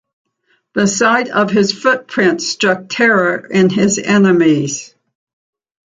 The sight of his footprints struck terror in his enemies.